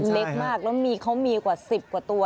เล็กมากแล้วมีเขามีกว่า๑๐กว่าตัว